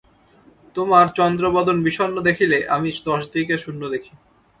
তোমার চন্দ্রবদন বিষণ্ণ দেখিলে আমি দশ দিক শূন্য দেখি।